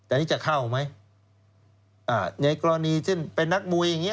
อันนี้จะเข้าไหมในกรณีเป็นนักมวยอย่างนี้